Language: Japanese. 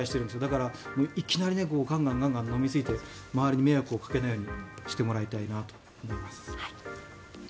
だから、いきなりがんがん飲みすぎて周りに迷惑をかけないようにしてもらいたいなと思います。